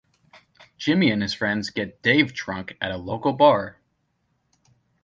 Jimmy and his friends get Dave drunk at a local bar.